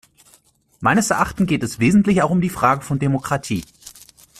Meines Erachtens geht es wesentlich auch um die Frage von Demokratie.